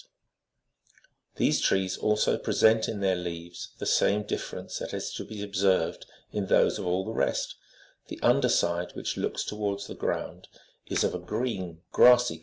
(21.) These trees also present in their leaves the same dif ference that is to be observed in those of all the rest : the underside, which looks towards the ground, is of a green, 48 See B.